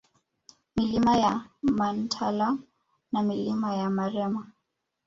Milima ya Mantala na Milima ya Marema